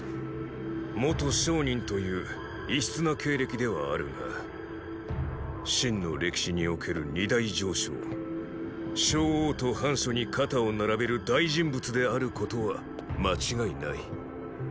元商人という異質な経歴ではあるが秦の歴史における二大丞相“商鞅”と“笵雎”に肩を並べる大人物であることは間違いない。